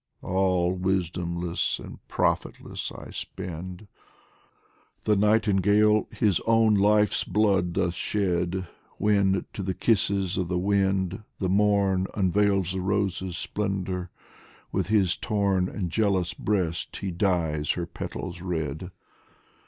All wisdomless and profitless I spend ! The nightingale his own life's blood doth shed, When, to the kisses of the wind, the morn Unveils the rose's splendour with his torn And jealous breast he dyes her petals red.